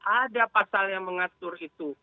ada pasal yang mengatur itu